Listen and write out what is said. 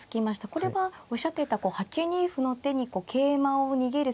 これはおっしゃっていた８二歩の手に桂馬を逃げる